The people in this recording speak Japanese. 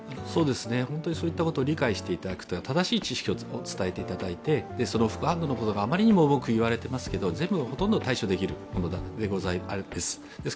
本当にそういったことを理解していただく、正しい知識を伝えていただいて、副反応のことがあまりにも多く言われていますが全部、ほとんど対処できるものです。